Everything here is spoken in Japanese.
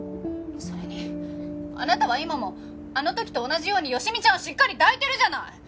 それにあなたは今もあの時と同じように好美ちゃんをしっかり抱いてるじゃない！